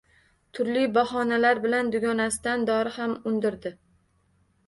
Turli bahonalar bilan dugonasidan dori ham undirdi